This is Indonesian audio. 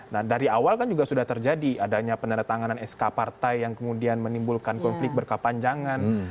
nah dari awal kan juga sudah terjadi adanya peneretanganan sk partai yang kemudian menimbulkan konflik berkepanjangan